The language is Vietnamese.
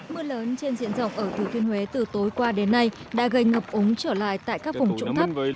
mưa lớn trên diện rộng ở thừa thiên huế từ tối qua đến nay đã gây ngập úng trở lại tại các vùng trũng thấp